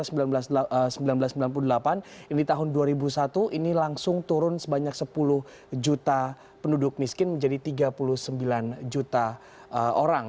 ini tahun dua ribu satu ini langsung turun sebanyak sepuluh juta penduduk miskin menjadi tiga puluh sembilan juta orang